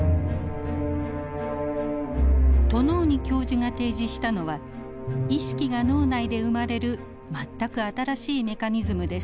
トノーニ教授が提示したのは意識が脳内で生まれる全く新しいメカニズムです。